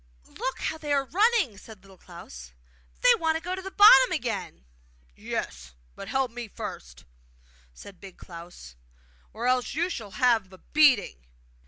'Look how they are running!' said Little Klaus. 'They want to go to the bottom again!' 'Yes; but help me first,' said Big Klaus, 'or else you shall have a beating!